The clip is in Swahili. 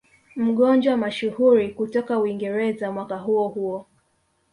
Mgonjwa mashuhuri kutoka Uingereza mwaka huo huo